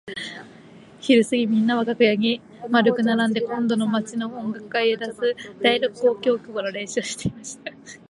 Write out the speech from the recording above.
ひるすぎみんなは楽屋に円くならんで今度の町の音楽会へ出す第六交響曲の練習をしていました。